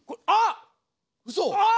あっ！